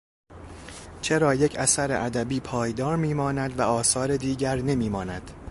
چرا یک اثر ادبی پایدار می ماند و آثار دیگر نمی ماند؟